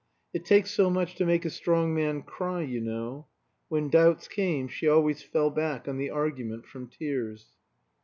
It takes so much to make a strong man cry, you know. When doubts came, she always fell back on the argument from tears.